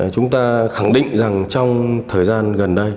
chúng ta khẳng định rằng trong thời gian gần đây